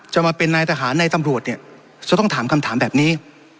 จะมาเป็นนายทหารนายตำรวจเนี่ยจะต้องถามคำถามแบบนี้